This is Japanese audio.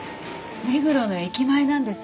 目黒の駅前なんです。